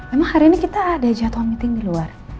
emang hari ini kita ada jadwal meeting dulu